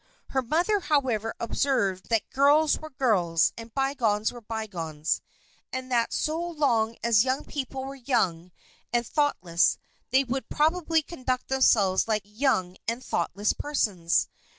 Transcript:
Her mother, however, observed that girls were girls, and bygones were bygones, and that so long as young people were young and thoughtless, they would probably conduct themselves like young and thoughtless persons.